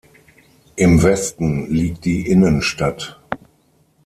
Im Westen liegt die Innenstadt.